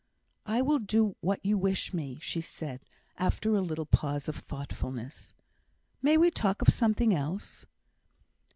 "I will do what you wish me," she said, after a little pause of thoughtfulness. "May we talk of something else?"